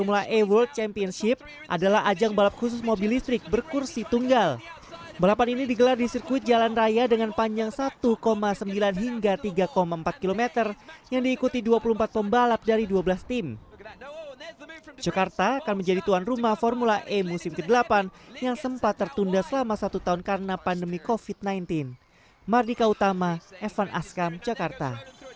mardika utama evan askam jakarta